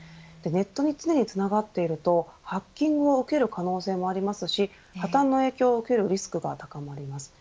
ネットに常につながっているとハッキングを受ける可能性もありますし破綻の影響を受けるリスクが高まります。